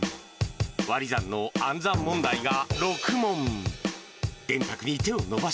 わり算の暗算問題が６問。